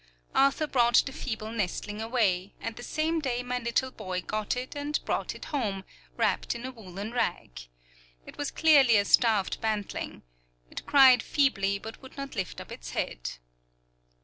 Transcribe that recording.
Arthur brought the feeble nestling away, and the same day my little boy got it and brought it home, wrapped in a woolen rag. It was clearly a starved bantling. It cried feebly but would not lift up its head.